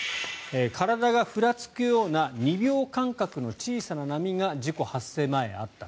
体がふらつくような２秒間隔の小さな波が事故発生前、あった。